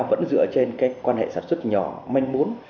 vẫn dựa trên cái quan hệ sản xuất nhỏ manh mún